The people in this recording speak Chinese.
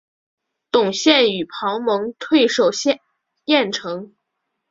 董宪与庞萌退守郯城。